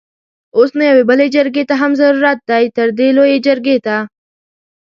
اوس نو يوې بلې جرګې ته هم ضرورت دی؛ تردې لويې جرګې ته!